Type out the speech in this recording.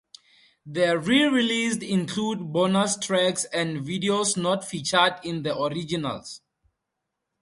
The re-releases include bonus tracks and videos not featured in the originals.